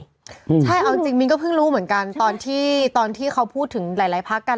ใช่เอาจริงมิ้นก็เพิ่งรู้เหมือนกันตอนที่ตอนที่เขาพูดถึงหลายหลายพักกัน